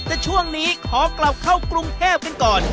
แต่ช่วงนี้ขอกลับเข้ากรุงเทพกันก่อน